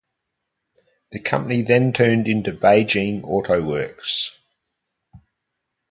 The company then turned into Beijing Auto Works.